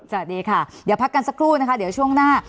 สวัสดีค่ะเดี๋ยวพักกันสักครู่นะคะเดี๋ยวช่วงหน้า